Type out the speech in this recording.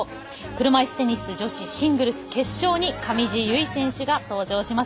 車いすテニス女子シングルス決勝に上地結衣選手が登場します。